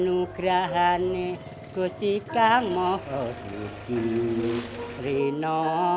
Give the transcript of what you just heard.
mereka kecantikan nggak musiester mereka